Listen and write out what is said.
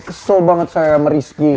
kesel banget saya sama rizky